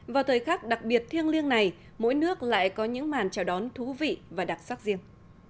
vào thời khắc đặc biệt thiêng liêng này mỗi nước lại có những màn chào đón thú vị và đặc sắc riêng